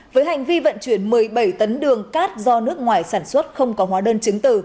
với hành vi vận chuyển một mươi bảy tấn đường cát do nước ngoài sản xuất không có hóa đơn chứng từ